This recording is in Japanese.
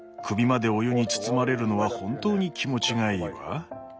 首までお湯に包まれるのは本当に気持ちがいいわ。